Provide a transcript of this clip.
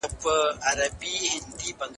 د بديل مشرتابه روزنه يې مهمه بلله.